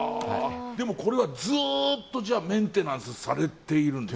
でもこれはずっとメンテナンスをされているんですか？